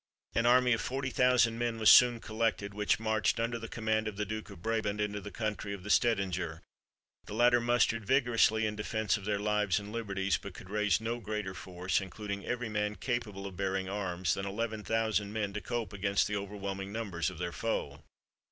An army of forty thousand men was soon collected, which marched, under the command of the Duke of Brabant, into the country of the Stedinger. The latter mustered vigorously in defence of their lives and liberties, but could raise no greater force, including every man capable of bearing arms, than eleven thousand men to cope against the overwhelming numbers of their foe.